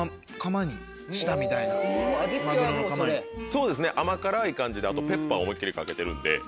そうですね甘辛い感じであとペッパー思いっ切りかけてるんで。